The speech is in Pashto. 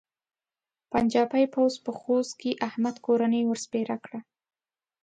پنجاپي پوځ په خوست کې احمد کورنۍ ور سپېره کړه.